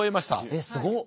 えっすごっ。